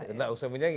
tidak usah menyaingi